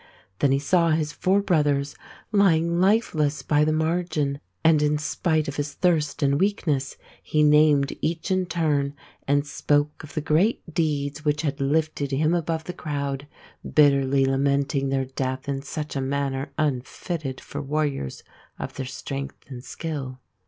Then he saw his four brothers lying lifeless by the margin, and in spite of his thirst and weakness he named each in turn and spoke of the great deeds which had lifted him above the crowd, bitterly lamenting their death in such a manner unfitted for warriors of their strength and skill.